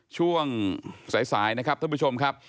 ช่วงสายนะครับท่านผู้ชมครับ